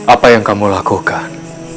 apa yang kamu lakukan